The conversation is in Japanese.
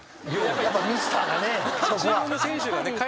やっぱミスターがね。